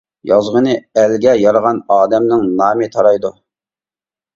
يازغىنى ئەلگە يارىغان ئادەمنىڭ نامى تارايدۇ.